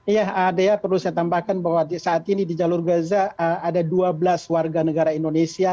ya adea perlu saya tambahkan bahwa saat ini di jalur gaza ada dua belas warga negara indonesia